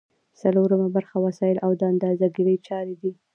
څلورمه برخه وسایل او د اندازه ګیری چارې دي.